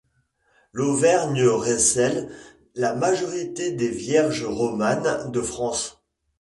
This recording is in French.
L'Auvergne recèle la majorité des vierges romanes de France.